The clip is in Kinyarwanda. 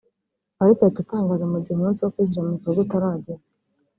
ariko atahita atangaza mu gihe umunsi wo kuyishyira mu bikorwa utaragera